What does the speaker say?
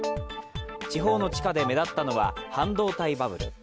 地方の地価で目立ったのは半導体バブル。